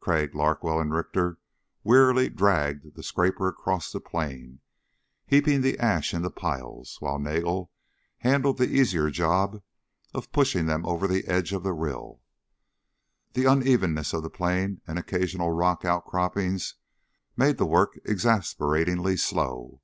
Crag, Larkwell and Richter wearily dragged the scraper across the plain, heaping the ash into piles, while Nagel handled the easier job of pushing them over the edge of the rill. The unevenness of the plain and occasional rock outcroppings made the work exasperatingly slow.